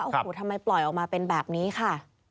โอ้โหทำไมปล่อยออกมาเป็นแบบนี้ค่ะ